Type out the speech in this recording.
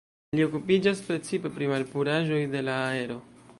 Li okupiĝas precipe pri malpuraĵoj de la aero.